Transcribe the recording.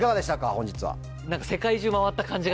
本日は。